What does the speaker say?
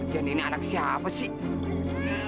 dan ini anak siapa sih